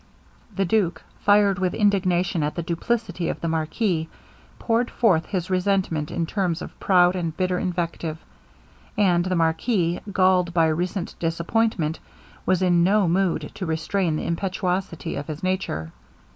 The duke, fired with indignation at the duplicity of the marquis, poured forth his resentment in terms of proud and bitter invective; and the marquis, galled by recent disappointment, was in no mood to restrain the impetuosity of his nature.